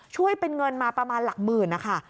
ช่วยเป็นเงินมาประมาณหลักหมื่นนะคะ